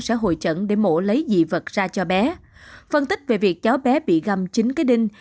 sẽ hội trận để mổ lấy dị vật ra cho bé phân tích về việc cháu bé bị găm chính cái đinh